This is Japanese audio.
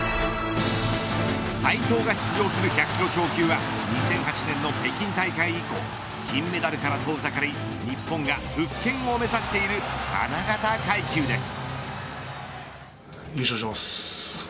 斉藤が出場する１００キロ超級は２００８年の北京大会以降金メダルから遠ざかり、日本が復権を目指している花形階級です。